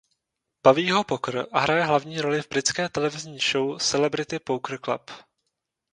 Baví ho poker a hraje hlavní roli v britské televizní show Celebrity Poker Club.